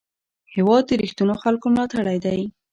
هېواد د رښتینو خلکو ملاتړی دی.